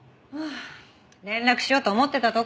あ連絡しようと思ってたとこ。